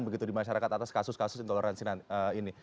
begitu di masyarakat atas kasus kasus intoleransi ini